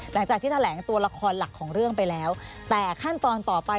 หลังจากที่แถลงตัวละครหลักของเรื่องไปแล้วแต่ขั้นตอนต่อไป